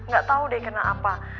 gak tau deh kena apa